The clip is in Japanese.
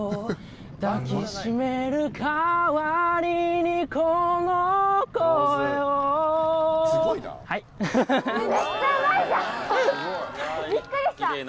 抱きしめるかわりにこの声をビックリした！